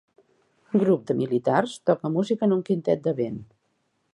Un grup de militars toca música en un quintet de vent.